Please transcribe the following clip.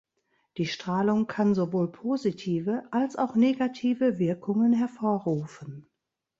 Die Strahlung kann sowohl positive als auch negative Wirkungen hervorrufen.